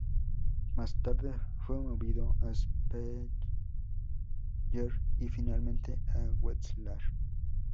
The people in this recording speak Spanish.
Más tarde fue movido a Speyer y, finalmente, a Wetzlar.